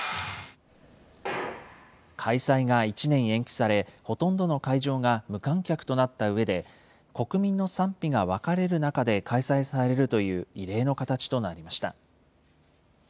開催が１年延期され、ほとんどの会場が無観客となったうえで、国民の賛否が分かれる中で開催されるという異例の形となりました。